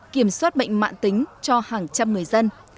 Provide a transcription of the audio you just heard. kiểm soát bệnh mạng tính cho hàng trăm người dân